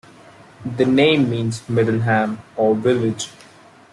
The name means "middle "ham" or village".